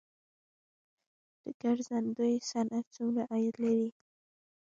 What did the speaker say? د ګرځندوی صنعت څومره عاید لري؟